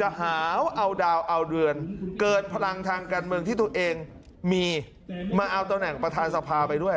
จะหาวเอาดาวเอาเรือนเกินพลังทางการเมืองที่ตัวเองมีมาเอาตำแหน่งประธานสภาไปด้วย